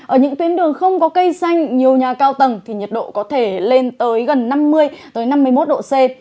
ở những tuyến đường không có cây xanh nhiều nhà cao tầng thì nhiệt độ có thể lên tới gần năm mươi năm mươi một độ c